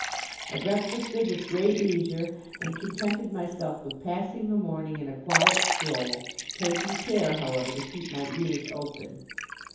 I breakfasted with great leisure, and contented myself with passing the morning in a quiet stroll, taking care, however, to keep my ears open.